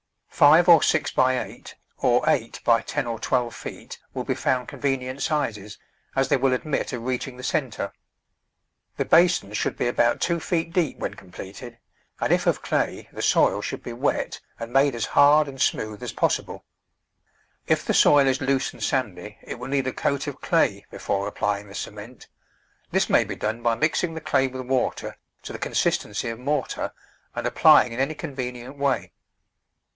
Five or six by eight, or eight by ten or twelve feet, will be found convenient sizes, as they will admit of reaching the centre. The basin should be about two feet deep when completed, and if of clay the soil should be wet and made as hard and smooth as possible. If the soil is loose and sandy it will need a coat of clay before applying the cement. This may be done by mixing the clay with water to the consistency of mortar and applying in any convenient way.